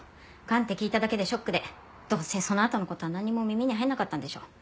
がんって聞いただけでショックでどうせそのあとの事は何も耳に入らなかったんでしょ。